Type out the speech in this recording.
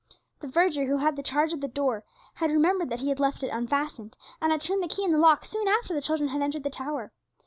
The verger who had the charge of the door had remembered that he had left it unfastened, and had turned the key in the lock soon after the children had entered the tower.